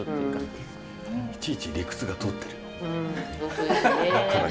いちいち理屈が通ってるよ。